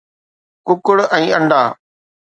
ڪڪڙ ۽ انڊا